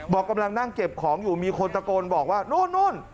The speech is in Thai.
บอกกำลังนั่งเก็บของอยู่มีคนตะโกนบอกว่านู่น